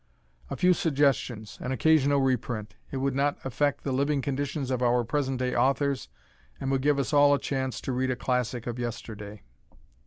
A few suggestions: an occasional reprint. It would not affect the living conditions of our present day authors and would give us all a chance to read a classic of yesterday.